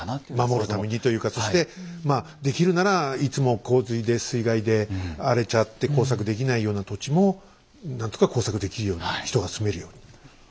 守るためにというかそしてできるならいつも洪水で水害で荒れちゃって耕作できないような土地も何とか耕作できるように人が住めるように。